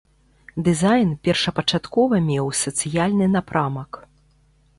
Дызайн першапачаткова меў сацыяльны напрамак.